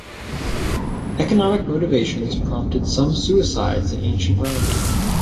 Economic motivations prompted some suicides in ancient Rome.